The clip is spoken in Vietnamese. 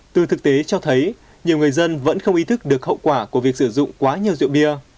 từ thực tế cho thấy nhiều người dân vẫn không ý thức được hậu quả của việc sử dụng quá nhiều rượu bia